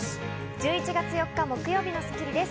１１月４日、木曜日の『スッキリ』です。